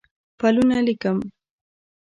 پلونه لیکم